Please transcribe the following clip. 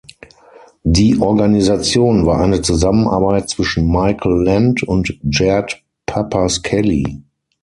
Die Organisation war eine Zusammenarbeit zwischen Michael Lent und Jared Pappas-Kelley.